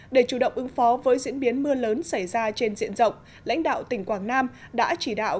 để chủ động ứng phó với diễn biến mưa lớn xảy ra trên diện rộng lãnh đạo tỉnh quảng nam đã chỉ đạo